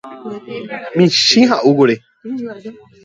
Michĩ ha'úkuri.